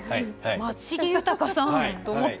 松重豊さん、と思って。